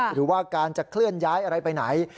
หรือว่าการจะเคลื่อนย้ายอะไรไปไหน